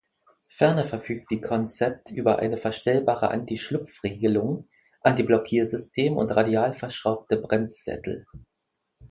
Ferner verfügt die Concept über eine verstellbare Anti-Schlupfregelung, Antiblockiersystem und radial verschraubte Bremssättel.